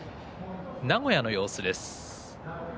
名古屋の様子です。